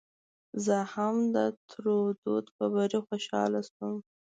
زه هم د ترودو په بري خوشاله شوم.